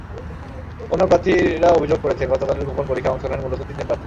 অন্য প্রার্থীরা অভিযোগ করেছেন, গতকালের গোপন পরীক্ষায় অংশ নেন মূলত তিনজন প্রার্থী।